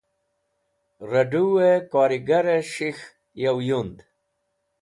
Raduwẽ korigarẽ shik̃h yo yund.